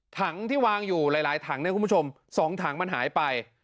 ถังที่วางอยู่หลายถังเนี่ยคุณผู้ชม๒ถังมันหายไป